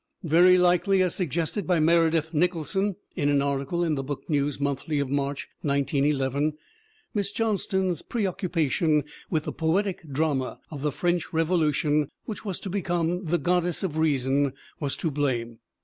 Very likely, as suggested by Meredith Nicholson in an article in the Book News Monthly of March, 1911, Miss Johnston's preoccupa tion with the poetic drama of the French Revolution which was to become The Goddess of Reason was to blame.